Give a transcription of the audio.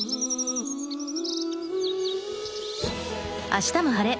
「あしたも晴れ！